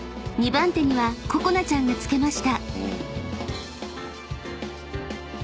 ［２番手にはここなちゃんがつけました］